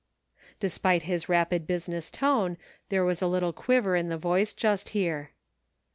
Despite his rapid business tone, there was a little quiver in the voice just here.